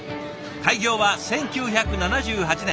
開業は１９７８年。